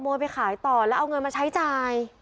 ไปขายต่อแล้วเอาเงินมาใช้จ่าย